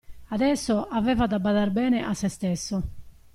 Adesso, aveva da badar bene a se stesso.